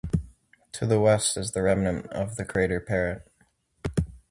To the west is the remnant of the crater Parrot.